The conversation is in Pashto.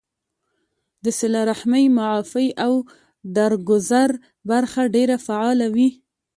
د صله رحمۍ ، معافۍ او درګذر برخه ډېره فعاله وي